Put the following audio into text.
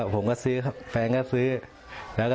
ผมก็ซื้อแฟนก็ซื้อ